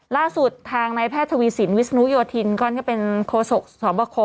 ล่าสุดทางนายแพทย์ทวีสินวิศนุโยธินก็เป็นโคศกสบค